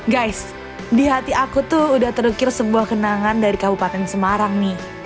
guys di hati aku tuh udah terukir sebuah kenangan dari kabupaten semarang nih